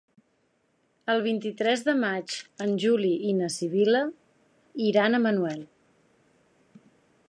El vint-i-tres de maig en Juli i na Sibil·la iran a Manuel.